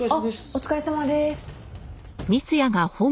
お疲れさまです。